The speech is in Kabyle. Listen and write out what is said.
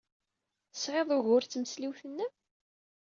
Tesɛid ugur d tmesliwt-nnem?